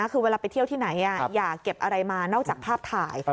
คือเวลาไปเที่ยวที่ไหนอย่าเก็บอะไรมานอกจากภาพถ่าย